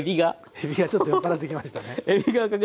えびがちょっと酔っ払ってきましたね。